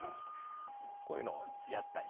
こういうのをやったり。